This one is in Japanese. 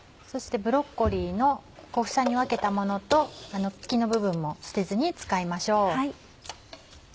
そしてブロッコリーの小房に分けたものと茎の部分も捨てずに使いましょう。